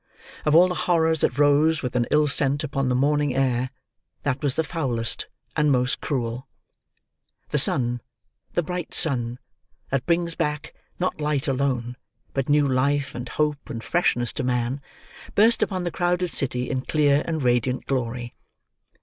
Of all the horrors that rose with an ill scent upon the morning air, that was the foulest and most cruel. The sun—the bright sun, that brings back, not light alone, but new life, and hope, and freshness to man—burst upon the crowded city in clear and radiant glory.